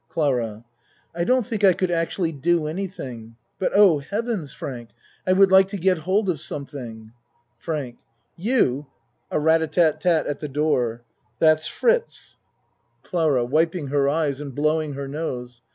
CLARA I don't think I could actually do any thing, but Oh, heavens, Frank, I would like to get hold of something. FRANK You (A ra ta tat tat at the door.) That's Fritz. 88 A MAN'S WORLD CLARA (Wiping her eyes and blowing her nose.)